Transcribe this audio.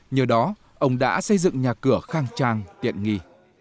nhờ đó ông đã xây dựng nhà cửa khang trang tiện nghỉ